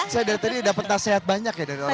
saya dari tadi dapat nasihat banyak ya dari orang tua